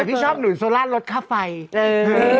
แต่พี่ชอบหนุนโซลาสรถค่าไฟเออ